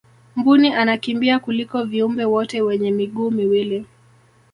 mbuni anakimbia kuliko viumbe wote wenye miguu miwili